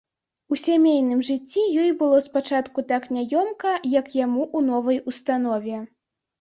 У сямейным жыцці ёй было спачатку так няёмка, як яму ў новай установе.